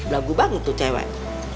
lagu banget tuh cewek